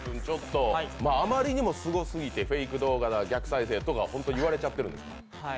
あまりにもすごすぎてフェイク動画だ、逆再生だって本当に言われちゃってるんですか？